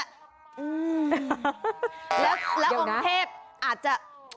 แล้วองค์เทพอาจจะ